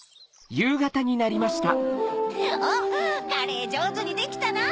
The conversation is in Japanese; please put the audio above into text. おっカレーじょうずにできたな。